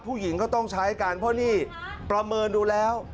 ผู้หญิงก็ต้องใช้กันเพราะนี่ประเมินดูแล้ว